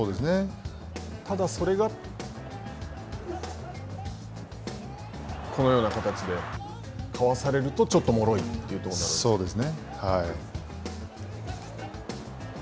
ただ、それがこのような形でかわされると、ちょっともろいというところになるんですね。